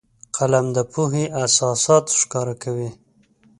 قلم د پوهې اساسات ښکاره کوي